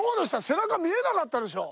背中見えなかったでしょ？